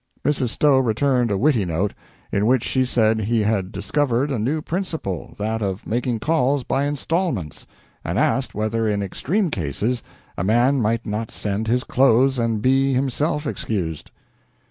Mrs. Stowe returned a witty note, in which she said he had discovered a new principle that of making calls by instalments, and asked whether in extreme cases a man might not send his clothes and be himself excused.